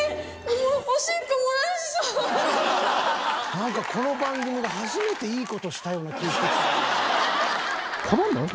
なんかこの番組が初めていい事したような気ぃしてきた。